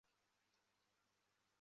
曾居住于魁北克梅戈格镇。